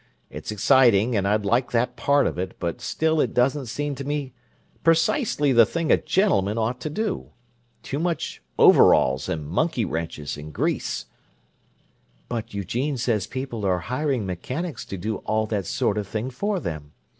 It's exciting, and I'd like that part of it, but still it doesn't seem to me precisely the thing a gentleman ought to do. Too much overalls and monkey wrenches and grease!" "But Eugene says people are hiring mechanics to do all that sort of thing for them.